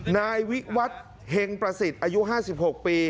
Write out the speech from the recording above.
นายวิวัฒร์เหงประศิษฐ์อายุ๕๖ปี